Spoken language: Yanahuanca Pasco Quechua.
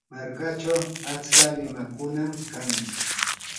markachaw achka llamakunam kan.